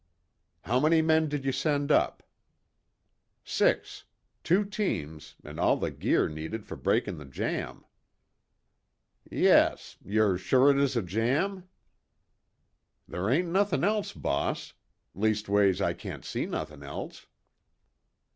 "How many men did you send up?" "Six. Two teams, an' all the gear needed for breakin' the jam." "Yes. You're sure it is a jam?" "Ther' ain't nothin' else, boss. Leastways, I can't see nothin' else."